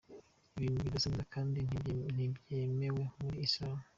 Ni ibintu bidasa neza kandi ntibyemewe muri Islam…”.